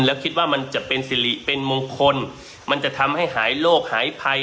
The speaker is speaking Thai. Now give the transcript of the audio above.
แล้วคิดว่ามันจะเป็นสิริเป็นมงคลมันจะทำให้หายโลกหายภัย